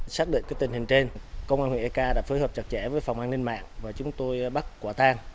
xác định tình hình trên công an huyện ek đã phối hợp chặt chẽ với phòng an ninh mạng và chúng tôi bắt quả tang